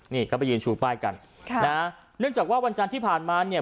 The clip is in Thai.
นี่เขาไปยืนชูป้ายกันค่ะนะเนื่องจากว่าวันจันทร์ที่ผ่านมาเนี่ย